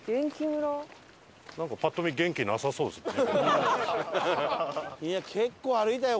なんかパッと見元気なさそうですよね。